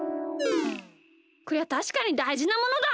こりゃたしかにだいじなものだ！